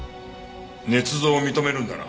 捏造を認めるんだな？